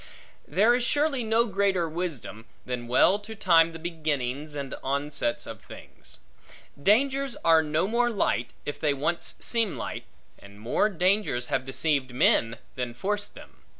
There is surely no greater wisdom, than well to time the beginnings, and onsets, of things. Dangers are no more light, if they once seem light; and more dangers have deceived men, than forced them.